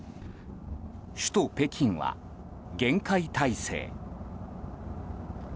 首都・北京は厳戒態勢。